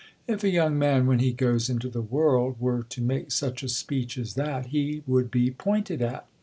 If a young man, when he goes into the world, were'to make such a speech as that, he would be pointed at.